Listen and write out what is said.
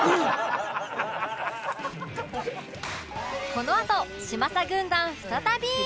このあと嶋佐軍団再び！